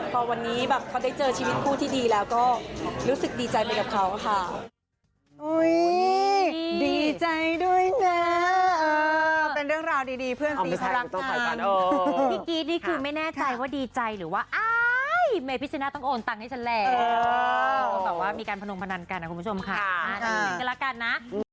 พอวันนี้แบบเขาได้เจอชีวิตคู่ที่ดีแล้วก็รู้สึกดีใจไปกับเขาค่ะ